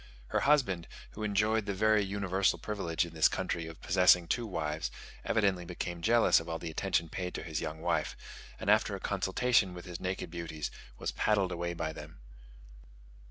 Her husband, who enjoyed the very universal privilege in this country of possessing two wives, evidently became jealous of all the attention paid to his young wife; and, after a consultation with his naked beauties, was paddled away by them.